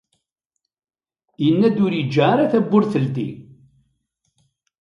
Yenna-d ur yeǧǧa ara tawwurt teldi.